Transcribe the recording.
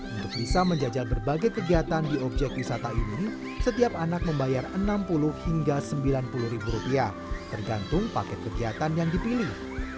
untuk bisa menjajal berbagai kegiatan di objek wisata ini setiap anak membayar enam puluh hingga sembilan puluh ribu rupiah tergantung paket kegiatan yang dipilih